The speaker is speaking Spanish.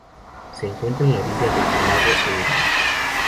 Se encuentra a la orilla del lago Erie.